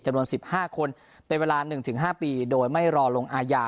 จำนวนสิบห้าคนเป็นเวลาหนึ่งถึงห้าปีโดยไม่รอลงอาญา